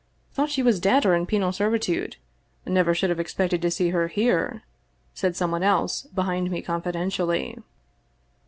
" Thought she was dead or in penal servitude. Never . 268 The Great Valdez Sapphire should have expected to see her here*' said some one else behind me confidentially.